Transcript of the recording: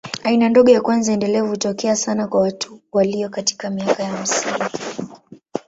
Aina ndogo ya kwanza endelevu hutokea sana kwa watu walio katika miaka ya hamsini.